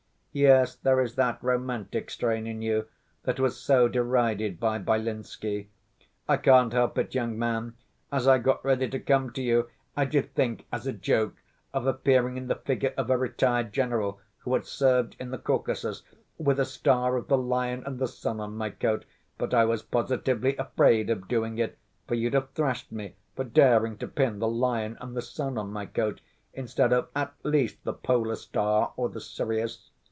Yes, there is that romantic strain in you, that was so derided by Byelinsky. I can't help it, young man, as I got ready to come to you I did think as a joke of appearing in the figure of a retired general who had served in the Caucasus, with a star of the Lion and the Sun on my coat. But I was positively afraid of doing it, for you'd have thrashed me for daring to pin the Lion and the Sun on my coat, instead of, at least, the Polar Star or the Sirius.